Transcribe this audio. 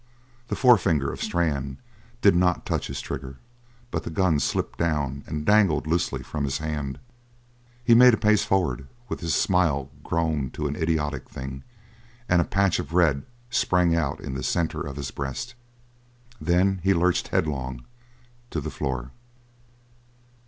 The forefinger of Strann did not touch his trigger, but the gun slipped down and dangled loosely from his hand. He made a pace forward with his smile grown to an idiotic thing and a patch of red sprang out in the centre of his breast. Then he lurched headlong to the floor.